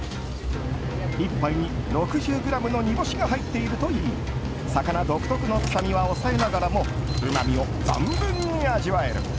１杯に６０ｇの煮干しが入っているといい魚独特の臭みは抑えながらもうまみを存分に味わえる。